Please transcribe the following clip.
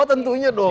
oh tentunya dong